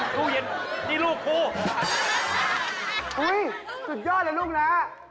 สุดยอดเลยลูกนะ